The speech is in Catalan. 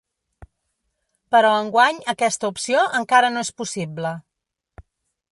Però enguany aquesta opció encara no és possible.